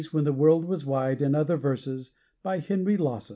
] WHEN THE WORLD WAS WIDE, AND OTHER VERSES. By Henry Lawson.